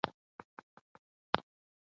د زده کړې مور د کورنۍ لپاره ښه مشوره ورکوي.